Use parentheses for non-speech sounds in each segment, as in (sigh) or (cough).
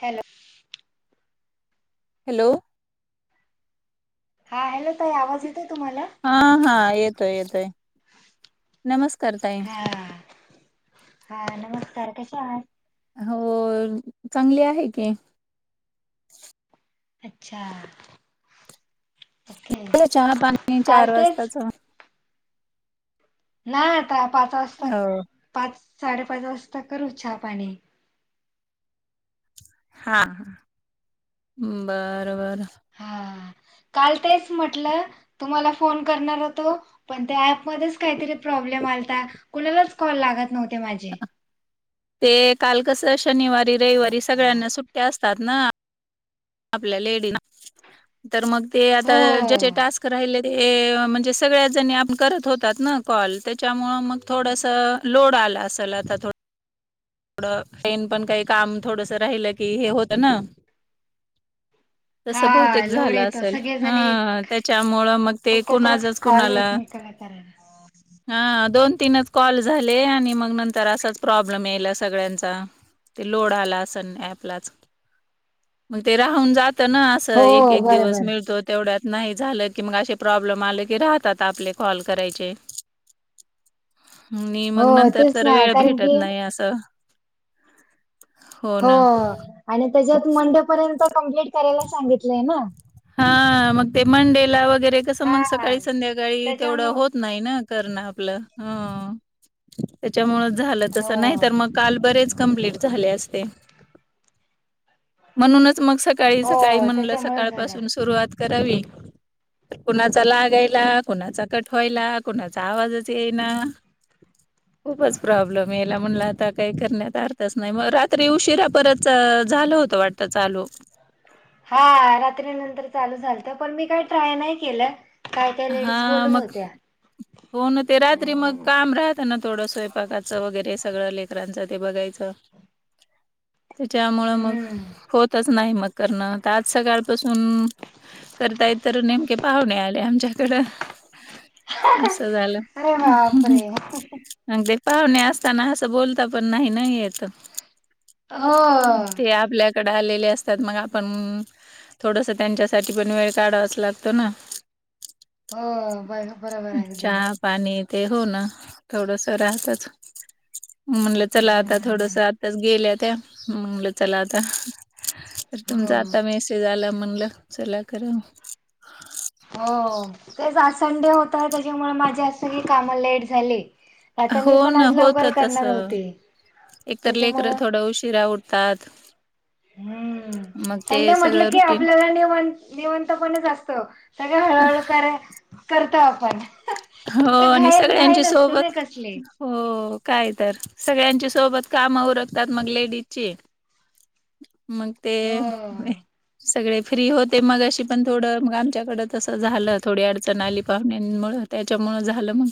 Hello hello हा hello काही आवाज येत आहे तुम्हाला? हा हा येतोय येतोय नमस्कार ताई हा हा नमस्कार कसा आहे? हो चांगली आहे की अच्छा ओके चहा पाणी चाल चार तेच वाजताच नाही आता पाच वाजता हो पाच साडेपाच वाजता करू चहापाणी हा बरं बरं हा काल तेच म्हटलं तुम्हाला फोन करणार होतो. पण त्या ऍपमध्येच काहीतरी प्रॉब्लेम आलाता कुणालाच कॉल लागतं नव्हते माझे ते काल कसं शनिवारी रविवारी सगळ्यांना सुट्टया असतात ना आपल्या लेडीज तर मग ते आता हो ज्या टास्क राहिले ते म्हणजे सगळ्या जणी आपण करत होतात ना कॉल त्याच्यामुळं मग थोडसं लोड आला असेल आता थोडं थोडं टेन पण काही काम थोडंसं राहिलं की हे होत ना तसं बहुतेक हा लोड झालं येतो असल, सगळेजण हं त्याच्यामुळं, मग ते कुणाचच कुणाला करायचं हां, दोन तीनच कॉल झाले आणि मंग नंतर असाच प्रॉब्लम यायला, अस सगळ्यांचा, ते लोड आला असन, ॲपला च. म ते राहून जात ना, असं हो एक- एक दिवस बरोबर मिळतो. तेवड्यात नाही झालं की, मग अशे प्रॉब्लेम आले की, राहतात आपले कॉल करायचे. मी हो मंग नंतर, तेच तर ना वेळ कारण की भेटत नही असं. हो आणि त्याच्यात मंडेपर्यंत, कम्प्लीट करायला सांगितलंय ना? हां, मग ते मंडेला वगैरे, कसं मग हा सकाळी- संध्याकाळी तेवढं त्याच्यामुळं होत नाही ना, करण आपलं, त्याच्यामुळ झाल हो. तसं नाही तर, मंग काल बरेच कंप्टीट झाले आस ते, म्हणूनच मग हो सकाळी-सकाळी म्हणलं त्याच्यामुळे सकाळ पस झालं. सुरुवात करावी. कुणाचा लागयला, कुणाचा कट व्हायला, कुणाचा आवाजच येईना. (inaudible) खूपच प्रॉब्लेम यायला, म्हणला आता काही करण्यात अर्थच नाही, म रात्री उशिरा परत च-झालं होतं वाट त चालू. हां रात्री नंतर चालू झालत, पण मी काही ट्राय नाही केलं. काय काय लेडीज हां, बोलत मंग. (inaudible) हो न, ते रात्री मग काम राहतं ना, थोडं स्वयंपाकाचं वगैरे, सगळं लेकरांचं ते बघायचं. (inaudible) त्याच्यामुळं मग, हम्म. होतच नाही मग करणं, त आज सकाळपासून करताय तर नेमके पाहुणे आले, आमच्या कड, असं झालं. अरे बापरे अन ते पाहुणे असताना, असं बोलता पण नाही ना, येत. हो ते आपल्या कडे आलेले असतात, मग आपण, थोडस त्यांच्यासाठी पण, वेळ काढावाच लागतो ना? हो, बर- बरोबर हाय गं ते. चहा पाणी ते, हो ना, थोडस राहतच, म्हनलं चला आता, त्याच्यामुळे थोडस नाही आ आत्ताच गेल्या त्या, म्हणल चला आता, तर तुमचा हो. आता मेसे ते झालं म्हणलं, चला कराव. हो, तेच आज संडे होता, त्याच्यामुळे माझे आज सगळी काम लेट झाले. आता हो मी पण ना, आज होत लवकर तस, करणार होते एकतर लेकर त्याच्यामुळं थोडं उशीरा ऊठतात. हम्म. संडे म्हटल सगळं की, रुटीन आपल्याला निवाण-निवांतपणेच असत, सगळ हळूहळू कराय करतो आपण. हो कुठे आणि घाई घाई सगळ्यांची नसते सोबत ना कसली हो काय तर, सगळ्यांची सोबत कामं उरकतात, मंग लेडीजची. मग ते, हो सगळे फ्री होते, मघाशी पण थोडं, मग आमच्याकड तस झालं, थोडी अडचण आली, पाहुण्यामुळ, त्याच्यामुळं झालं मग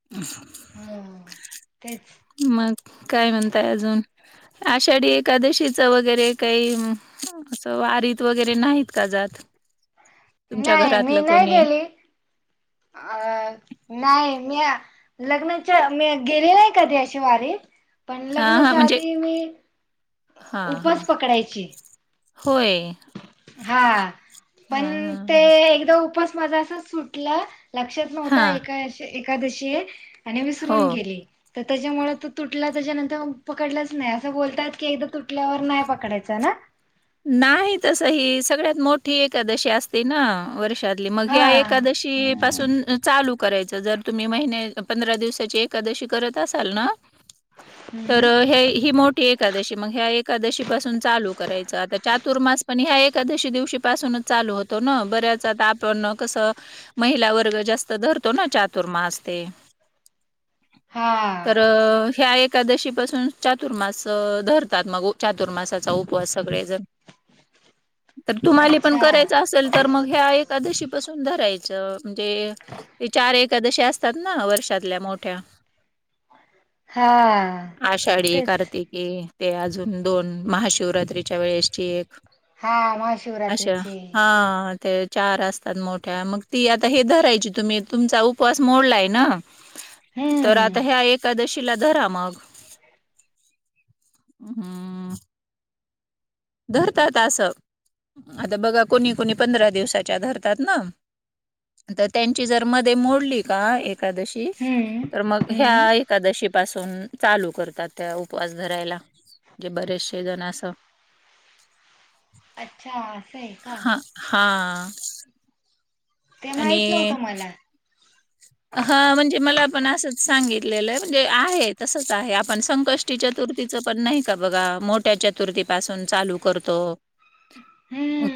(inaudible) हां, तेच मग, काय म्हणताय अजून? आषाढी एकादशीच वगैरे काही? अस वारीत वगैरे नाहीत का, जात? तुमच्या नाही, मी घरातलं नाही कोणी गेली आ नाही, म्या लग्नाच्या म्या गेलेली नाही कधी अशी वारीत पण हा हा लग्नाच्या म्हणजे आधी मी हा हा उपास पकडायची. होय. हा पण ते एकदा उपास माजा असाच सुटला, लक्षात नव्हता हा एका एकादशी हाय आणि विसरून हो गेली. तर त्याच्यामुळे तो तुटला, त्याच्यानंतर पकडलाच नाही. असं बोलतात की, एकदा तुटल्यावर नाही पकडायचं ना? नाही तस, ही सगळ्यात मोठी एकादशी असते ना, वर्षातली मग हा ह्या एकादशी की पासून चालू करायच. जर तुम्ही महिन्या पंधरा दिवसाची एकादशी करत असाल ना तर हम्म हे ही मोठी एकादशी मग ह्या एकादशी पासून चालू करायचं. आता चातुर्मास पण ह्या एकादशी दिवशी पासूनच चालू हो तो ना, बऱ्याच आता आपण अ कसं? महिला वर्ग जास्त धरतो ना, चातुर्मास ते हाआ. तर ह्या एकादशी पासून चातुर्मास धरतात मग चातुर्मासाचा उपवास सगळे जण, तर तुम्हाले पण अच्छा करायचं असेल तर मग ह्या एकादशी पासून धरायचं म्हणजे ते चार एकादशी असता तात ना वर्षातल्या मोठ्या हा आषाढी, तेच कार्तिक ये, ते अजून दोन महाशिवरात्रीच्या वेळेची एक हा अशा महाशिवरात्रीची हा ते चार असतात मोठ्या, मग ती आता हे धरायची तुम्ही, तुमचा उपवास मोडलाय ना? तर हम्म आता ह्या एकादशी तिला धरा मग हम्म धरतात आसं, आता बघा कोणी कोणी पंधरा दिवसाच्या धरतात ना? तर त्यांची जर मध्ये मोडली का एकादशी हम्म तर मग ह्या हम्म एकादशी पासून चालू करतात, त्या उपवास धरायला. जे बरेचसे जण आस अच्छा, आसं हाय का? हाआ. ते माहीत नव्हतं मला. हा म्हणजे मला आपण असंच सांगितलेलं आहे म्हणजे आहे तसंच आहे आपण संक कष्टी चतुर्तीचं पण नाही का बघा? मोठ्या चतुर्तीपासून चालू करतो.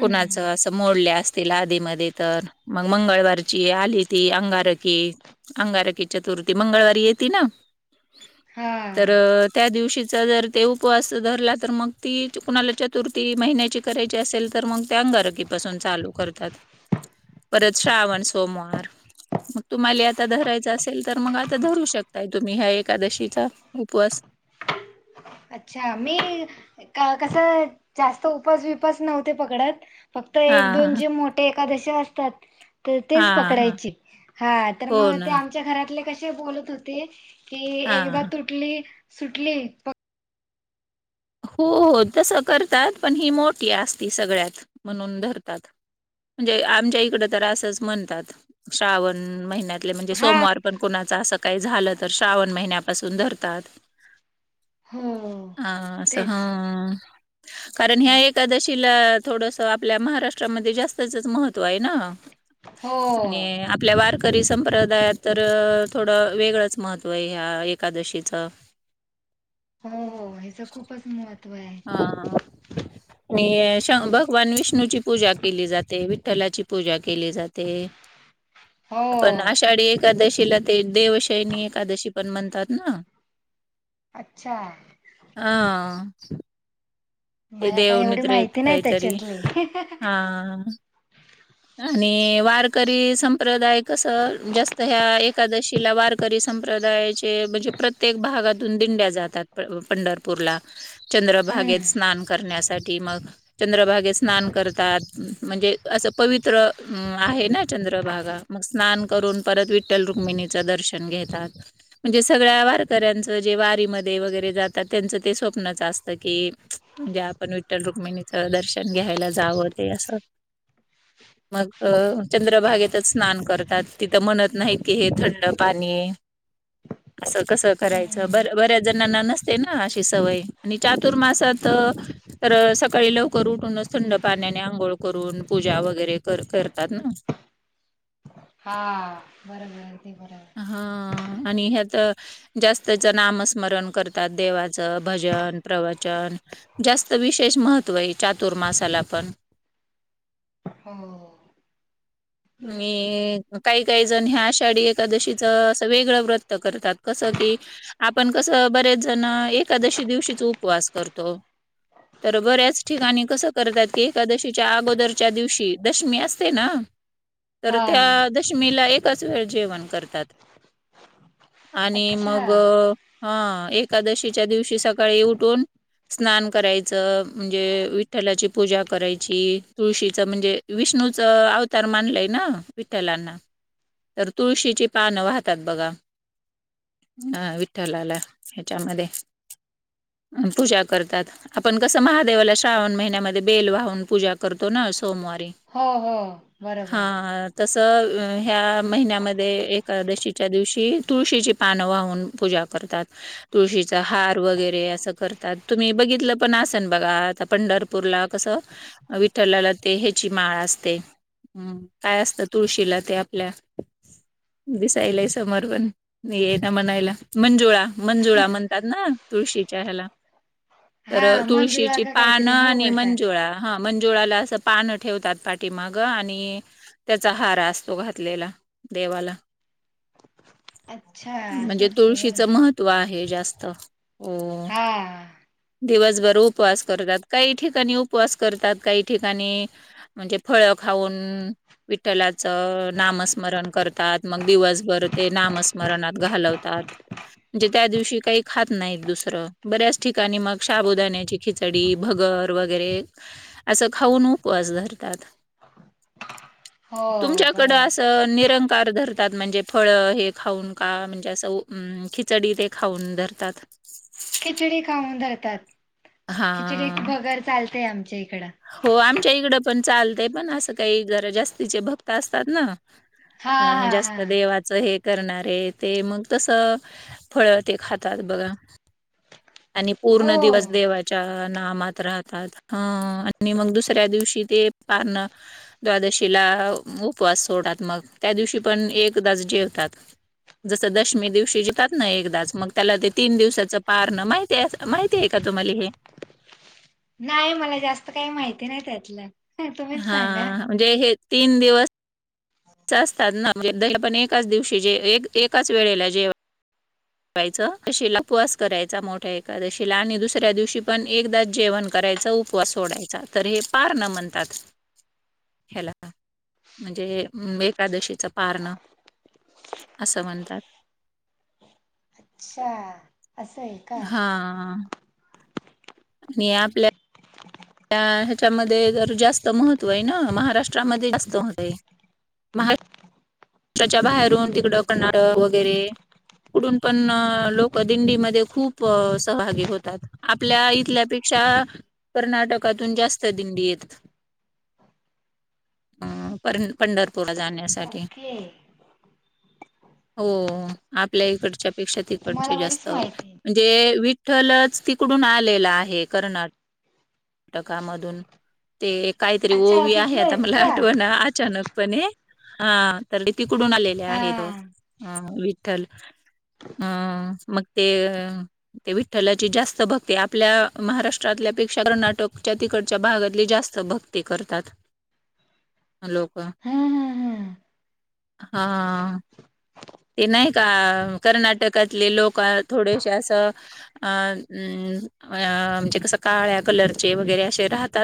कुणा अस मोडल्या असतील आधी मधे तर, मग मंगळवारची आली ती अंगार कि, अंगारकी चतुर्थी मंगळवारी येती ना? तर हा त्या दिवशीचा जर ते उपवास धरला तर, मग ती कुणाला चतुर्थी महिन्याची करायची असेल तर, मग त्या अंगारकी पाासून चालू करतात. ह (inaudible) परत श्रावण सोमवार मग तुम्हाले आता धरायचं असेल, तर मग आता धरू शकताय, तुम्ही ह्या एकादशीचा उपवास. अच्छा मी का कस जास्त उपास बीपास नव्हते पकडत. फक्त एक हां, दोन हां. जे मोठे एकादशी असतात तर तेच हां, हां. पकडायची, हा तर हो मग ना. ते आमच्या घरातले कसे बोलत होते कि? हां, एकदा हां. तुटली, सुटली हो हो तसं करतात. पण ही मोठी असती सगळ्यात म्हणून धरतात. म्हणजे आमच्या इकड तर असंच म्हणतात. श्रावण महिन्यात म्हणजे हा सोमवार पण कोणाचा अस काही झालं तर, श्रावण महिन्यापासून धरतात. हो हा असं तेच, हा कारण ह्या एकादशी तीला थोडस आपल्या महाराष्ट्रामध्ये जास्तचच महत्त्व आहे ना. हो आणि आपल्या वार करी संप्रदायात तर थोडं वेगळंच महत्त्व आहे. ह्या एकादशीचं. हो हो, हितं खूपच महत्त्व आहे. हा हा आणि भगवान विष्णूची पूजा केली जाते. विठ्ठलाची, पूजा केली जाते. पण हो आषाढी एक एकादशीला ते देवशैनी एकादशी पण म्हणतात ना. अच्छा, ह. ते मला देव काय एवढी निद्रेत माहिती नाही काहीतरी त्याच्यातली हा. आणि वारकरी संप्रदाय कस. जास्त ह्या एकादशीला वार करी संप्रदायाचे म्हणजे प्रत्येक भागातून दिंड्या जातात पंढरपूरला. हम्म चंद्रभागेत स्नान करण्यासाठी. ती मग चंद्रभागे स्नान करतात. म्हणजे अस पवित्र आहे ना चंद्रभागा. मग स्नान करून परत विठ्ठल रुक्मिणी चं दर्शन घेतात. म्हणजे सगळ्या वारकऱ्यांचं जे वारीमध्ये वगैरे जातात. त्यांचं ते स्वप्नच असत की, म्हणजे आपण विठ्ठल रुक्मिणीचं दर्शन घ्यायला जावं ते असं. मग अच्छा चंद्रभागेतच स्नान करतात. तिथं म्हणत नाहीत की हे थंड पाणी हे. (inaudible) असं कसं करायचं. हम्म बर बऱ्याच जणांना नसते ना. अशी सवय आणि चातुर्मासात तर सकाळी लवकर उठूनच थंड पाण्याने आंघोळ करून, पूजा वगैरे कर करतात ना. हा बरोबर. ते बरोबर ह आणि ह्यात जास्तच नामस्मरण करत. त्यात देवाचं भजन, प्रव तर जास्त विशेष महत्व आहे चातुर्मासाला पण हो. मी काही काही जण ह्या आषाढी एकादशीच असं वेगळं व्रत करतात कसं की, आपण कसं बरेच जण एकादशी दिवशीच उपवास करतो. तर बऱ्याच ठिकाणी कसं करतात की एकादशीच्या अगोदरच्या दिवशी दशमी असते ना. तर हा त्या दशमीला एकच वेळ जेवण करतात. आणि अच्छा मग ह एकादशीच्या दिवशी सकाळी उठून स्नान करायचं. म्हणजे विठ्ठलाची पूजा करायची तुळशीच म्हणजे विष्णूच अवतार मानलंय. ना विठ्ठलांना तर तुळशीची पानं वाहतात बघा. हा विठ्ठलाला ह्याच्यामध्ये अ पूजा करतात. आपण कसं महादेवाला श्रावण महिन्यामध्ये बेल वाहून पूजा करतो ना सोमवारी. हा हा हा हा. तसं, ह्या महिन्यामध्ये, एकादशीच्या दिवशी. तुळशीची पानं वाहून पूजा करतात. तुळशीचा हार वगैरे असं करतात. तुम्ही बघितलं पण असन बघा. आता पंढर पूरला. कसं, विठ्ठलाला ते हेची माळ असते. ह, काय असतं? तुळशीला ते आपल्या दिसायलय समोर. पण येईना म्हणायला. मंजुळा. मंजुळा म्हणतात ना? तुळशीच्या ह्याला. हा तर मंजुळा तुळशीची का पानं काहीतरी हो आणि बोलतात मंजुळा हा. मंजुळाला असं, पान ठेवतात पाठीमाग. आणि त्याचा हार असतो घातलेला. देवाला. अच्छा, अस असतय व्हय. तो आहे जास्त. हो. हा दिवसभर उपवास करतात काही ठिकाणी उपवास करतात. काही ठिकाणी म्हणजे, फळं खाऊन विठ्ठलाच नामस्मरण करतात. मग दिवसभर ते नामस् मरणात घालवतात. म्हणजे, त्या दिवशी काही खात नाहीत दुसरं. बऱ्याच ठिकाणी मग शाबूदण्याची खिचडी, भगर वगैरे, असं खाऊन उपवास धरतात. हो तुमच्याकड बरोबर असं, निरंकार धर तात. म्हणजे, फळ हे खाऊन का? म्हणजे असं खिचडी ते खाऊन धरतात. खिचडी खाऊन धरतात. खिचडी हां. भगर चालते, आमच्या इकडं. हो, आमच्या इकडं पण चालतय. पण असं काही जरा, जास्तीचे भक्त असतात न. हा अ हा जास्त हा देवा हे करणारे. ते मग तस, फळ ते खातात बघा. आणि हो पूर्ण दिवस देवा च्या नामात राहतात. ह, आणि मग दुसऱ्या दिवशी ते पारण द्वादशीला उपवास सोडात. मग त्या दिवशी पण, एकदाच जेवतात. जसं, दशमी दिवशी जीतात ना एकदाच. मग त्याला ते तीन दिवसाच पार न. माहिती अस, माहितेय का, तुम्हाली हे? नाही. मला जास्त काय माहिती नाही, त्यातलं. तुम्हीच सांगा हा. म्हणजे हे तीन दिवस असतात ना. द आपण एकाच दिवशीे, एकाच वेळेला जेव जेवायचं. शीला ऊपवास करायचा, मोठ्या एकादशीला आणि दुसऱ्या दिवशी पण एकदाच जेवण करायचं. उप वास सोडायचा. तर हे पारन म्हणतात. (inaudible) ह्याला. म्हणजे एकादशीचं पारणं असं म्हणतात. अच्छा. असंय का? हा. आ. मी आपल्या त्या ह्याच्यामध्ये तर जास्त महत्त्वय ना. महाराष्ट्रामध्ये जास्त महतय. च्या बाहेरुन तिकडं, कर्नाटक वगैरे. कडून पण लोकं दिंडीमध्ये खूप, सहभागी होतात. आपल्या इथल्यापेक्षा, कर्नाटकातून जास्त दिंडी येत. (inaudible) ह परं - पंढरपूर जाण्यासाठी. ओके हो. आपल्या इकडच्या पेक्षा तुम्हाला तिकडचे बरीच जास्त- माहिती आहे. म्हणजे विठ्ठलच तिकडून आलेला आहे. कर्नाट कर्नाटकामधून. ते काहीतरी अच्छा ओवी आहे. तिथलं आता आहेत मला का आठव ना अचानकपणे. हा. तर ते तिकडून आलेले हा आहेत. विठ्ठल. हं. मग ते- ते विठ्ठलाची जास्त भक्ती. आपल्या महाराष्ट्रातल्यापेक्षा कर्नाटकच्या तिकडच्या भागातली जास्त भक्त- हे करतात. हम हॅलो. का. हम्म हां. ते नाही का? कर्नाटकातले लोक थोडेसे असं- अम. अं. आ. म्हणजे कस काळ्या कलरचे वगैरे असे राहतात.